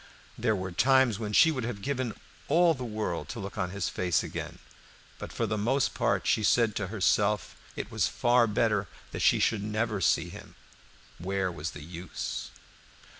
There were times when she would have given all the world to look on his face again, but for the most part she said to herself it was far better that she should never see him. Where was the use?